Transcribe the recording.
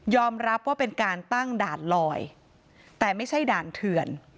รับว่าเป็นการตั้งด่านลอยแต่ไม่ใช่ด่านเถื่อน